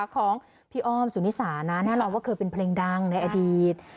ของพี่อ้อมสุนิสานะแน่นอนว่าเคยเป็นเพลงดังในอดีต